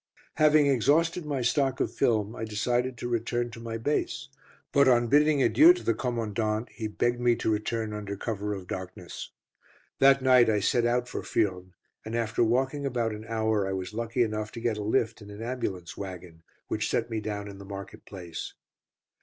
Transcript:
Having exhausted my stock of film, I decided to return to my base, but on bidding adieu to the Commandant he begged me to return under cover of darkness. That night I set out for Furnes, and after walking about an hour, I was lucky enough to get a lift in an ambulance waggon, which set me down in the market place.